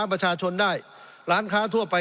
สงบจนจะตายหมดแล้วครับ